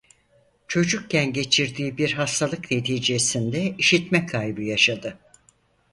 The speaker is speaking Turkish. Çocukken geçirdiği bir hastalık neticesinde işitme kaybı yaşadı.